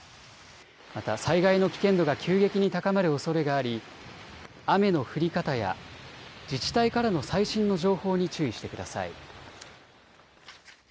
また災害の危険度が急激に高まるおそれがあり雨の降り方や自治体からの最新の情報に注意してください。